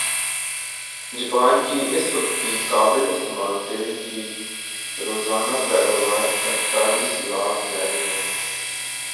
Japan کی اس وقت کی قابل استعمال تیل کی روزانہ پیداواراڑتالیس لاکھ بیرل ھے